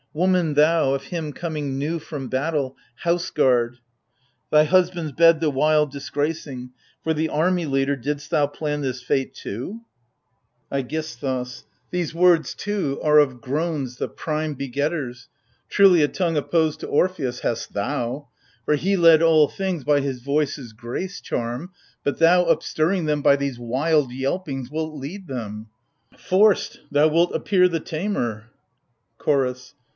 Woman, thou, — of him coming new from battle Houseguard — thy husband's bed the while dis gracing,— For the Army leader didst thou plan this fate too ? 142 AGAMEMNON. AIGISTHOS. These words too are of groans the prime begetters ! Truly a tongue opposed to Orpheus hast thou : For he led all things by his voice's grace charm, But thou, upstirring them by these wild yelpings, Wilt lead them ! Forced, thou wilt appear the tamer ! CHOROS.